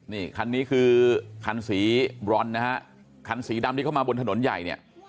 นี่คันนี้คือคันสีบรอนนะฮะคันสีดำที่เข้ามาบนถนนใหญ่เนี่ย